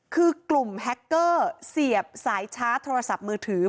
คือกลุ่มแฮคเกอร์เสียบสายชาร์จโทรศัพท์มือถือ